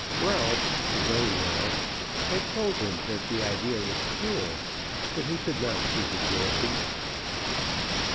Ralph, his own Ralph, had told him that the idea was cruel; but he could not see the cruelty.